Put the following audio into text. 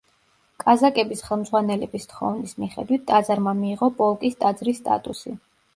კაზაკების ხელმძღვანელების თხოვნის მიხედვით ტაძარმა მიიღო პოლკის ტაძრის სტატუსი.